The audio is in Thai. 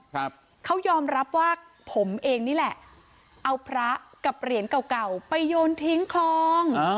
ครับเขายอมรับว่าผมเองนี่แหละเอาพระกับเหรียญเก่าเก่าไปโยนทิ้งคลองอ่า